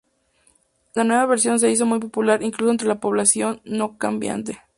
La nueva versión se hizo muy popular incluso entre la población no combatiente.